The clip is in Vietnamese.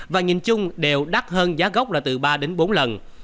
và nhìn chung đều đắt hơn giá gốc là từ ba đến bốn lần